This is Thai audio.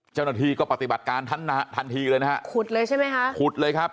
เจ้าหน้าที่ก็ปฏิบัติการทันทีเลยนะฮะขุดเลยใช่ไหมคะขุดเลยครับ